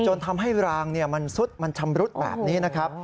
จนทำให้รางมันซุดมันชำรุดแบบนี้นะครับ